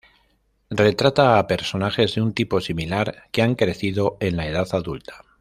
Retrata a personajes de un tipo similar que han crecido en la edad adulta.